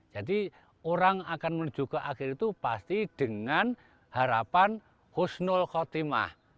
jadi orang akan menuju ke akhir itu pasti dengan harapan husnul khotimah